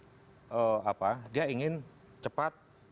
karena misalnya begini karakter presiden ini kan apa dia ingin cepat cepat cepat